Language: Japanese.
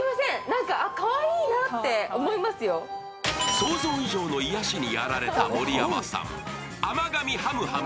想像以上の癒やしにやられた盛山さん。